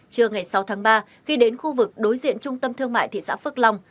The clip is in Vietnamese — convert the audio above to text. trưa ngày sáu tháng ba khi đến khu vực đối diện trung tâm thương mại thị xã phước long